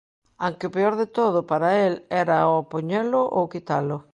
Anque o peor de todo, para el, era ó poñelo ou quitalo.